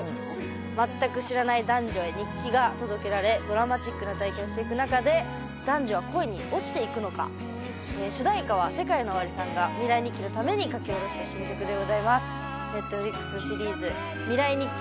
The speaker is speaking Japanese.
全く知らない男女へ日記が届けられドラマチックな体験をしていく中で男女は恋に落ちていくのか主題歌はＳＥＫＡＩＮＯＯＷＡＲＩさんが「未来日記」のために書き下ろした新曲でございますＮｅｔｆｌｉｘシリーズ「未来日記」